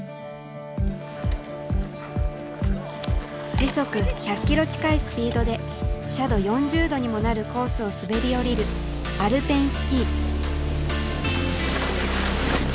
時速１００キロ近いスピードで斜度４０度にもなるコースを滑り降りるアルペンスキー。